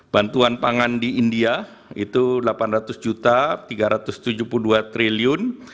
bantuan pangan di india itu rp delapan ratus tiga ratus tujuh puluh dua triliun